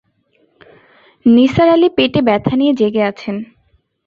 নিসার আলি পেটে ব্যথা নিয়ে জেগে আছেন।